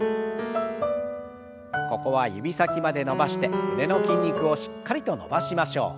ここは指先まで伸ばして胸の筋肉をしっかりと伸ばしましょう。